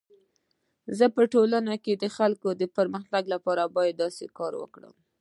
زه په ټولنه کي د خلکو د پرمختګ لپاره باید اساسي کار وکړم.